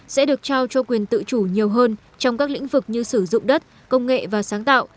sẽ được trao cho quyền tự chủ nhiều hơn trong các lĩnh vực như sử dụng đất công nghệ và sáng tạo